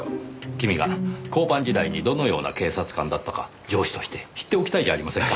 君が交番時代にどのような警察官だったか上司として知っておきたいじゃありませんか。